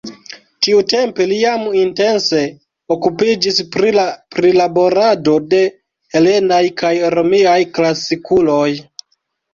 Tiutempe li jam intense okupiĝis pri la prilaborado de helenaj kaj romiaj klasikuloj.